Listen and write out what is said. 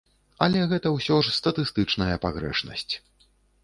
Але гэта ўсё ж статыстычная пагрэшнасць.